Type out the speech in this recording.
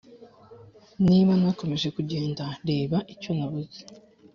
niba nakomeje kugenda, reba icyo nabuze